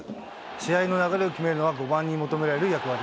試合の流れを決めるのは、５番に求められる役割。